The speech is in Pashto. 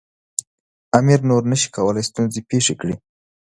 امیر نور نه شي کولای ستونزې پېښې کړي.